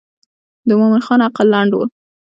د مومن خان عقل لنډ و.